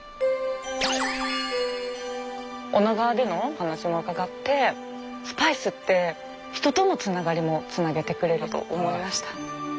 女川での話も伺ってスパイスって人とのつながりもつなげてくれると思いました。